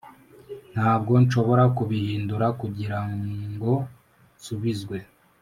ntabwo nshobora kubihindura kugirango nsubizwe,